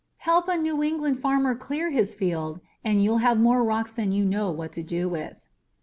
Help a New England farmer clear his field and you'll have more rocks than you know what to do with.